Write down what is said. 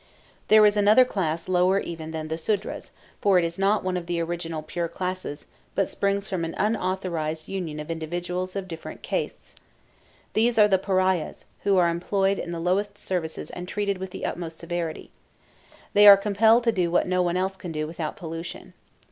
There is another class lower even than the Sudras, for it is not one of the original pure classes, but springs from an unauthorized union of individuals of different castes. These are the Pariahs, who are employed in the lowest services and treated with the utmost severity. They are compelled to do what no one else can do without pollution.